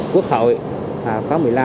quốc hội phó một mươi năm